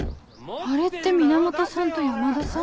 あれって源さんと山田さん？